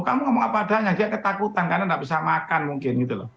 kamu ngomong apa adanya dia ketakutan karena nggak bisa makan mungkin gitu loh